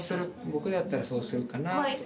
僕だったらそうするかなって。